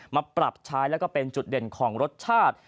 มาปรับใช้แล้วก็เป็นจุดเด่นของรสชาติ